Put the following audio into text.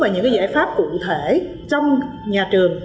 và những giải pháp cụ thể trong nhà trường